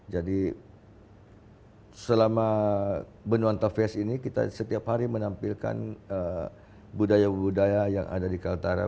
jadi selama benuan tafes ini kita setiap hari menampilkan budaya budaya yang ada di kalitara